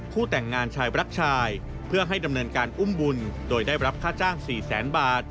แต่งงานชายรักชายเพื่อให้ดำเนินการอุ้มบุญโดยได้รับค่าจ้าง๔แสนบาท